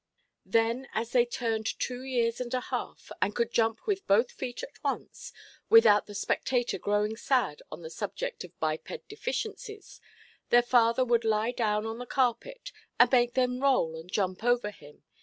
Then, as they turned two years and a half, and could jump with both feet at once, without the spectator growing sad on the subject of biped deficiencies, their father would lie down on the carpet, and make them roll and jump over him.